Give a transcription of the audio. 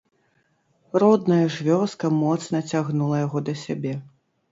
Родная ж вёска моцна цягнула яго да сябе.